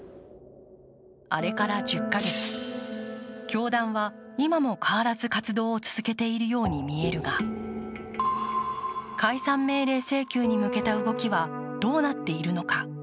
あれから１０か月、教団は今も変わらず活動を続けているように見えるが、解散命令請求に向けた動きはどうなっているのか。